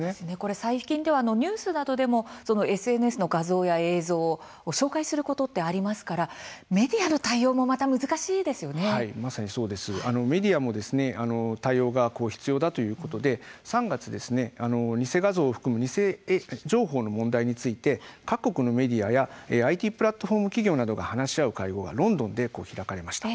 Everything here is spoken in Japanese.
最近ではニュースなどでもＳＮＳの画像や映像を紹介することありますからメディアの対応もメディアも対応が必要だということで、３月偽画像を含む偽情報の問題について各国のメディアやＩＴプラットフォーム企業などが話し合う会合がロンドンで開かれました。